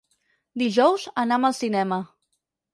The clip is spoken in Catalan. Dijous anam al cinema.